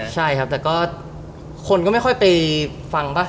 ใช่ครับคนก็ไม่ค่อยไปฟัง